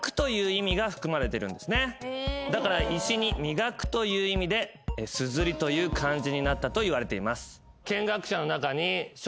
だから石に磨くという意味で硯という漢字になったといわれています。